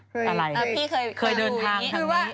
เคยเดินทางคือว่า